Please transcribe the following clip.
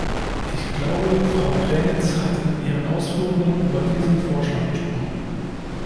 Ich glaube, Frau Graenitz hat in ihren Ausführungen über diesen Vorschlag gesprochen.